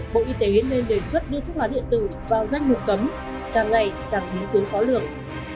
bộ y tế nên đề xuất đưa thuốc lá điện tử vào danh mục cấm càng ngày càng biến tướng khó lường